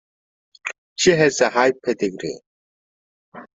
She has a high pedigree.